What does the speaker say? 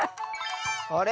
あれ？